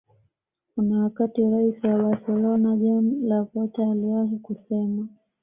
Kuna wakati Rais wa Barcolona Joan Laporta aliwahi kusema